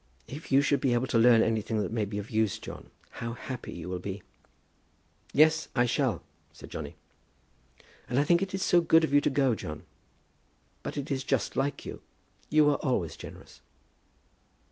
"If you should be able to learn anything that may be of use, John, how happy you will be." "Yes, I shall," said Johnny. "And I think it so good of you to go, John. But it is just like you. You were always generous."